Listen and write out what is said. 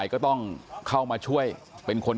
พี่แม่งตายตกผู้ชายกันล่ะ